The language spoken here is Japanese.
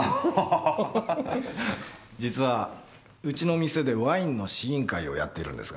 実はうちの店でワインの試飲会をやってるんですがね。